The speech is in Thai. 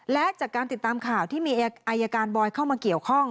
และจากการติดตามข่าวที่มีอายการบอยเข้ามาเกี่ยวข้อง